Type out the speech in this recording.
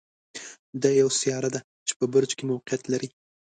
دا یوه سیاره ده چې په برج کې موقعیت لري.